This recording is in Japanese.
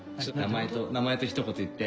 名前と一言言って。